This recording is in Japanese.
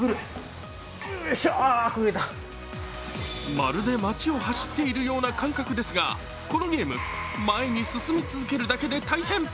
まるで街を走っているような感覚ですが、このゲーム、前に進み続けるだけで大変。